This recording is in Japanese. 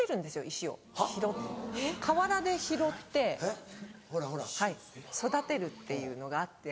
石を河原で拾って育てるっていうのがあって。